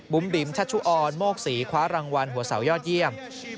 บิ๋มชัชชุออนโมกศรีคว้ารางวัลหัวเสายอดเยี่ยม